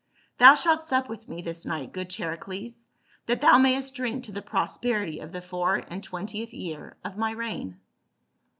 Thou shalt sup with me this night, good Charicles, that thou mayest drink to the prosperity of the four and twentieth year of my reign."